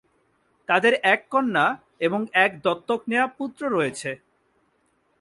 তাদের এক কন্যা এবং এক দত্তক নেওয়া পুত্র রয়েছে।